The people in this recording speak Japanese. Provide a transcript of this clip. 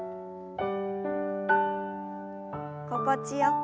心地よく。